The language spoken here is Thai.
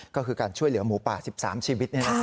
ก็คือการช่วยเหลือหมูป่า๑๓ชีวิต